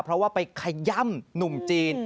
เพราะว่าไปขย่ำหนุ่มจีน